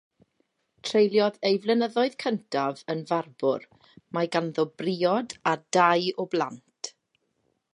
Treuliodd ei flynyddoedd cyntaf yn farbwr; mae ganddo briod a dau o blant.